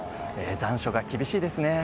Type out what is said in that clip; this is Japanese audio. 残暑が厳しいですね。